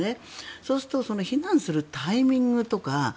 そうすると避難するタイミングとか。